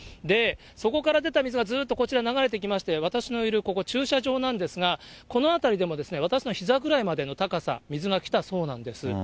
そこから出た水がずーっとこちら流れてきまして、私のいる、ここ、駐車場なんですが、この辺りでも私のひざぐらいまでの高さ、水が来たそうなんです。